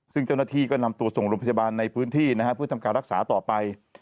ซึ่งเจ้าหน้าที่ก็นำตัวส่งโรงพยาบาลในพื้นที่นะฮะเพื่อทำการรักษาต่อไป